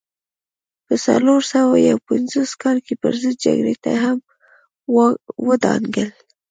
په څلور سوه یو پنځوس کال کې پرضد جګړې ته را ودانګل.